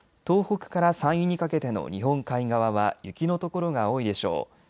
東北から山陰にかけての日本海側は雪の所が多いでしょう。